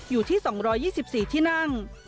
อยู่ที่๒๒๔ที่นั่ง